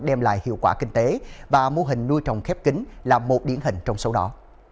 đem lại hiệu quả kinh tế và mô hình nuôi trồng khép kính là một điển hình trong số đó